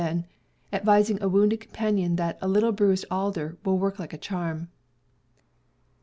ACCIDENTS 307 advising a wounded companion that "a little bruised alder will work like a charm."